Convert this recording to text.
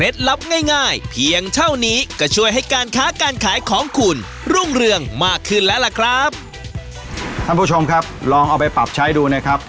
ท่านผู้ชมครับลองเอาไปปรับใช้ดูนะครับ